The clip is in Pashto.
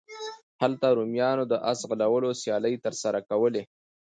هلته رومیانو د اس ځغلولو سیالۍ ترسره کولې.